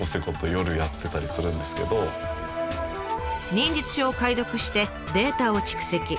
忍術書を解読してデータを蓄積。